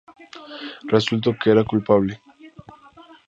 Resultó que era culpable.